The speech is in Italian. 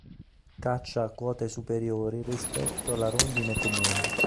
Caccia a quote superiori rispetto alla rondine comune.